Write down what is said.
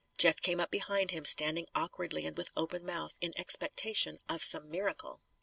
Jeff came up behind him, standing awkwardly and with open mouth, in expectation of some miracle.